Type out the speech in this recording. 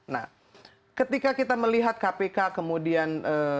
nah ketika kita melihat kpk kemudian